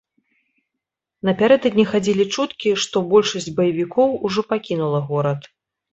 Напярэдадні хадзілі чуткі, што большасць баевікоў ужо пакінула горад.